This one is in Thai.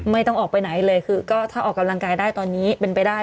ไม่ต้องออกไปไหนเลยคือก็ถ้าออกกำลังกายได้ตอนนี้เป็นไปได้